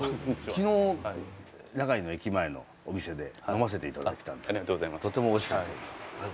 昨日長井の駅前のお店で呑ませて頂いてたんですけどとてもおいしかったです。